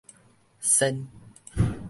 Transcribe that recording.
鉎